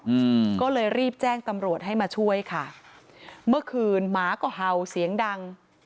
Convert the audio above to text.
อืมก็เลยรีบแจ้งตำรวจให้มาช่วยค่ะเมื่อคืนหมาก็เห่าเสียงดัง